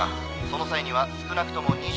その際には少なくとも。